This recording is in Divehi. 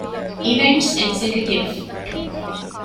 އިވެންޓްސް އެގްޒެކެޓިވް